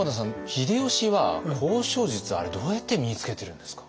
秀吉は交渉術あれどうやって身につけてるんですか？